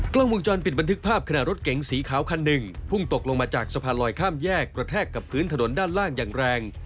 กล้องวงจรปิดบันทึกภาพขณะรถเก๋งสีขาวคันหนึ่งพุ่งตกลงมาจากสะพานลอยข้ามแยกกระแทกกับพื้นถนนด้านล่างอย่างแรง